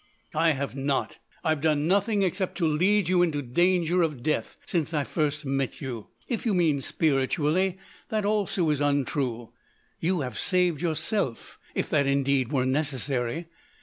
"I have not. I have done nothing except to lead you into danger of death since I first met you. If you mean spiritually, that also is untrue. You have saved yourself—if that indeed were necessary.